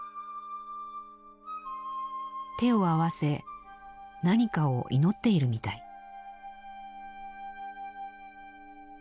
手を合わせ何かを祈っているみたい。